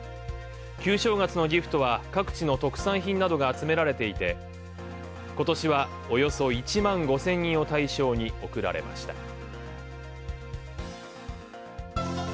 旧正月のギフトは各地の特産品などが詰められていて、今年は、およそ１万５０００人を対象に贈られました。